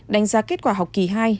đánh giá kết quả học kỳ hai